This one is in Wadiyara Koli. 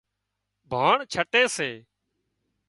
ڀاڻ ڇٽي سي